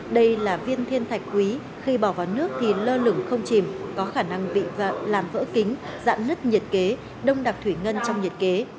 đây là viên thiên thạch quý khi bỏ vào nước thì lơ lửng không chìm có khả năng bị làm vỡ kính dạn nứt nhiệt kế đông đặc thủy ngân trong nhiệt kế